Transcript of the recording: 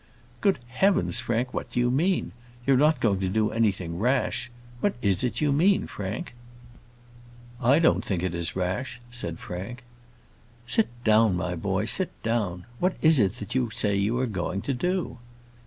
"Good heavens, Frank! what do you mean? you are not going to do anything rash? What is it you mean, Frank?" "I don't think it is rash," said Frank. "Sit down, my boy; sit down. What is it that you say you are going to do?"